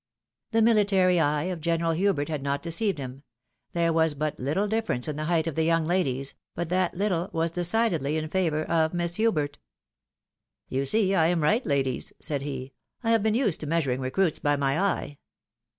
The military eye of General Hubert had not deceived him. There was but little difference in the height of the young ladies, but that little was decidedly in favour of Miss Hubert. " You see I am right, ladies," said he ; "I have been used to measuring recruits by my eye."